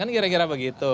kan kira kira begitu